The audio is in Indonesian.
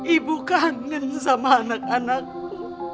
ibu kangen sama anak anakku